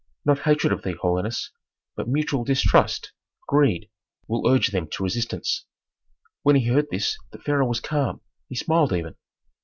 Not hatred of thee, holiness, but mutual distrust, greed, will urge them to resistance." When he heard this the pharaoh was calm, he smiled even.